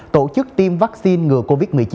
tổ chức tiêm vaccine ngừa covid một mươi chín